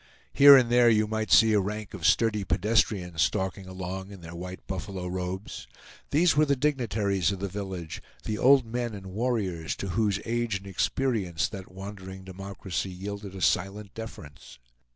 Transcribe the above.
Here and there you might see a rank of sturdy pedestrians stalking along in their white buffalo robes. These were the dignitaries of the village, the old men and warriors, to whose age and experience that wandering democracy yielded a silent deference.